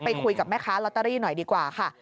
คุยกับแม่ค้าลอตเตอรี่หน่อยดีกว่าค่ะ